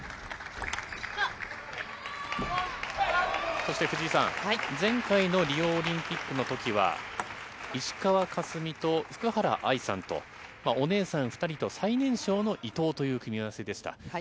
そして藤井さん、前回のリオオリンピックのときは、石川佳純と福原愛さんと、お姉さん２人と最年少の伊藤という組み合わせでした。